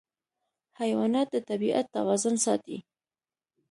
حیوانات د طبیعت توازن ساتي.